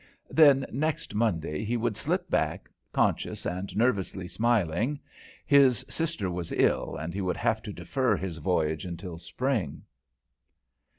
Then, next Monday, he would slip back, conscious and nervously smiling; his sister was ill, and he would have to defer his voyage until spring.